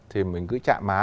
thì mình cứ chạm má